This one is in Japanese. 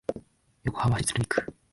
横浜市鶴見区